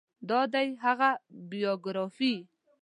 دا دی هغه بایوګرافي